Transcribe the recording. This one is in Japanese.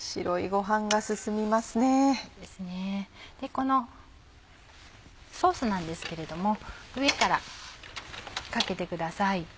このソースなんですけれども上からかけてください。